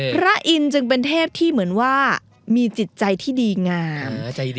พระอินทร์จึงเป็นเทพที่เหมือนว่ามีจิตใจที่ดีงาม